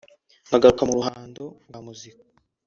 nkagaruka mu ruhando rwa muzika